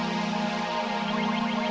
ini kesudah bukti